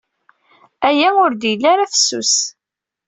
Aya ur d-yelli ara fessus.